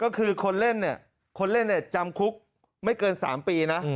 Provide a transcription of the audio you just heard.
ก็คือคนเล่นชัมคุกไม่เกิน๓ปีนะ